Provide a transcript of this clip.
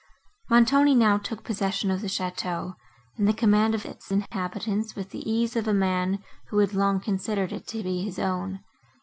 Montoni now took possession of the château, and the command of its inhabitants, with the ease of a man, who had long considered it to be his own.